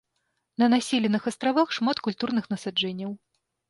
На населеных астравах шмат культурных насаджэнняў.